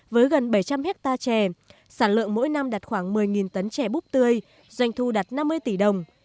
với gần bảy trăm linh hectare chè sản lượng mỗi năm đạt khoảng một mươi tấn trè búp tươi doanh thu đạt năm mươi tỷ đồng